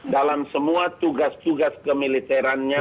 dalam semua tugas tugas kemiliterannya